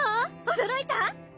驚いた？